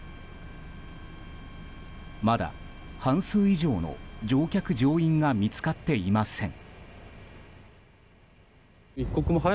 まだ半数以上の乗客・乗員が見つかっていません。